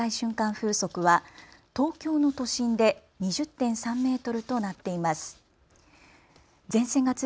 風速は東京の都心で２０．３メートルとなっています。